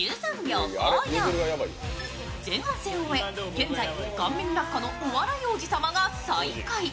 前半戦を終え現在顔面落下のお笑い王子様が最下位。